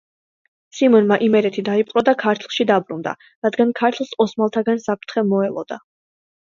სიმონმა იმერეთი დაიპყრო და ქართლში დაბრუნდა, რადგან ქართლს ოსმალთაგან საფრთხე მოელოდა.